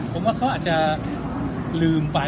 ก็ไม่น่าจะดังกึ่งนะ